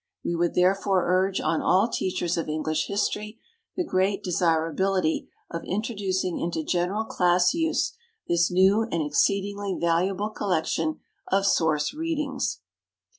We would, therefore, urge on all teachers of English history the great desirability of introducing into general class use this new and exceedingly valuable collection of source readings.